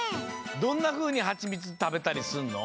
どんなふうにハチミツたべたりすんの？